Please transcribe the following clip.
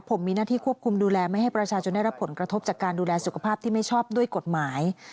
ผมมีหน้าที่ควบคุมดูแลไม่ให้ประชาชนได้รับผลกระทบจากการดูแลสุขภาพที่ไม่ชอบด้วยกฎหมาย